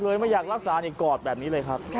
ไม่อยากรักษานี่กอดแบบนี้เลยครับ